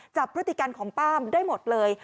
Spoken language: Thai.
จับพฤติกรรมของป้ามได้หมดเลย